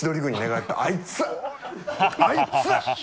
あいつ！